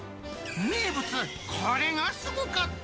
名物、これがすごかった。